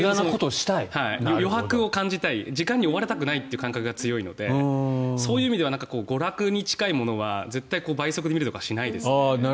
余白を感じたい時間に追われたくないというのはあるのでそういう意味では娯楽に近いものは絶対に倍速で見るとかはしないですね。